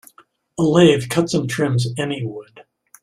A lathe cuts and trims any wood.